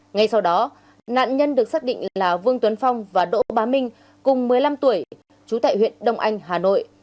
ngay sau đó nạn nhân được xác định là vương tuấn phong và đỗ bá minh cùng một mươi năm tuổi trú tại huyện đông anh hà nội